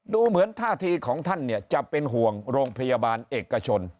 ดูเหมือนท่าทีของท่านเนี่ยจะเป็นห่วงโรงพยาบาลเอกชน